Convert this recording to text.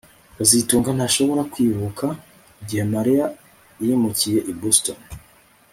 kazitunga ntashobora kwibuka igihe Mariya yimukiye i Boston